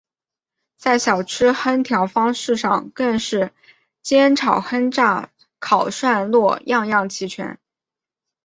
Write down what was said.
在小吃烹调方式上更是煎炒烹炸烤涮烙样样齐全。